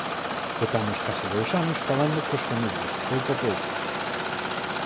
Botamos case dous anos falando coas familias, pouco a pouco.